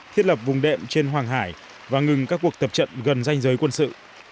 thiết lập vùng đệm trên hoàng hải và ngừng các cuộc tập trận gần danh giới quân sự